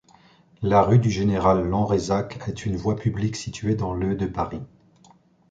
La rue du Général-Lanrezac est une voie publique située dans le de Paris.